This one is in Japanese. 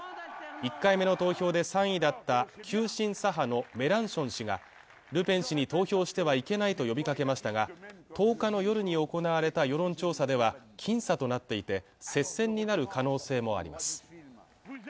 １回目の投票で３位だった急進左派のメランション氏がルペン氏に投票してはいけないと呼びかけましたが１０日の夜に行われた世論調査では僅差となっていて接戦になる可能性もあります